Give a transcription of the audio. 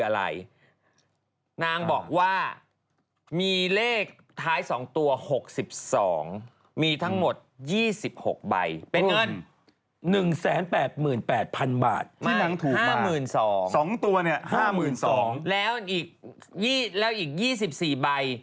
ที่นางถูกมากสองตัวเนี่ย๕๒๐๐๐บาทแล้วอีก๒๔ใบ